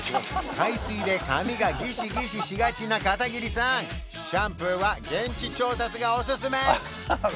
海水で髪がギシギシしがちな片桐さんシャンプーは現地調達がおすすめ！